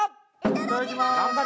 いただきます！